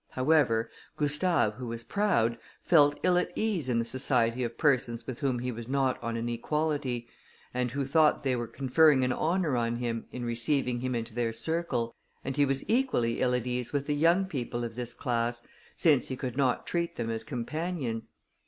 However, Gustave, who was proud, felt ill at ease in the society of persons with whom he was not on an equality, and who thought they were conferring an honour on him, in receiving him into their circle; and he was equally ill at ease with the young people of this class, since he could not treat them as companions.